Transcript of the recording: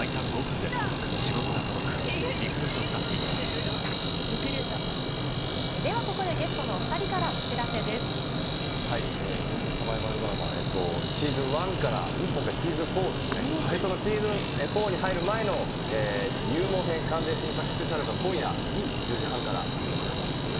あすとあさってはおおむね晴れるではここでゲストのお２人かゾンビサバイバルドラマ、シーズン１から、今回シーズン４ですね、そのシーズン４に入る前の、入門編完全新作スペシャルが、今夜１０時半から放送されます。